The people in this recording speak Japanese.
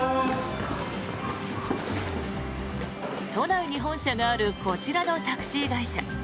都内に本社があるこちらのタクシー会社。